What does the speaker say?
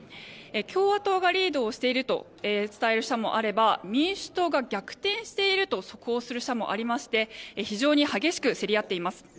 共和党がリードしていると伝える社もあれば民主党が逆転していると速報する社もありまして非常に激しく競り合っています。